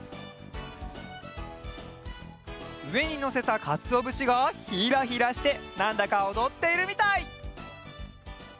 うえにのせたかつおぶしがひらひらしてなんだかおどっているみたい！